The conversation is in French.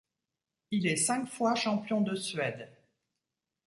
Il est cinq fois champion de Suède.